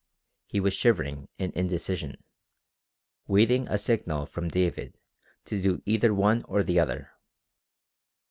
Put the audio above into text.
He was shivering in indecision, waiting a signal from David to do either one or the other.